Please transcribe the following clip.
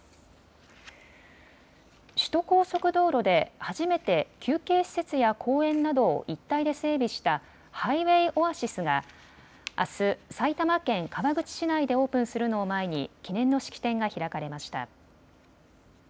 首都高速道路で初めて休憩施設や公園などを一体で整備したハイウェイオアシスがあす、埼玉県川口市内でオープンするのを前に記念の式典が開かれました。